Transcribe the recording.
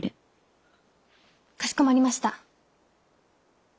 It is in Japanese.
かしこまりました。